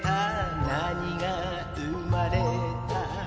なにが生まれた